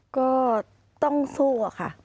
ก็ต้องสู้อะค่ะ